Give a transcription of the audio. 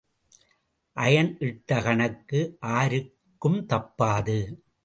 Iron இட்ட கணக்கு ஆருக்கும் தப்பாது.